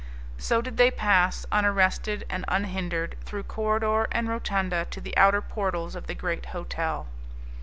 So did they pass, unarrested and unhindered, through corridor and rotunda to the outer portals of the great hotel.